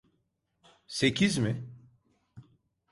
Sekiz mi?